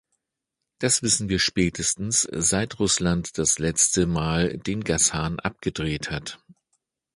Das wissen wir spätestens, seit Russland das letzte Mal den Gashahn abgedreht hat.